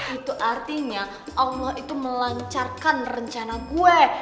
itu artinya allah itu melancarkan rencana gue